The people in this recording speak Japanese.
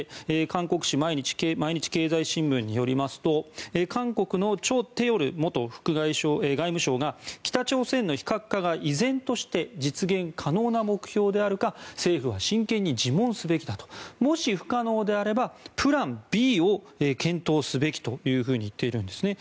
韓国紙毎日経済新聞によりますと韓国のチョ・テヨル元副外務相が北朝鮮の非核化が依然として実現可能な目標であるか政府は真剣に自問すべきだともし不可能であればプランＢを検討すべきと言っているんですね。